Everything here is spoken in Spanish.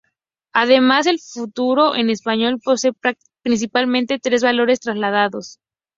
Además el futuro en español posee principalmente tres valores trasladados.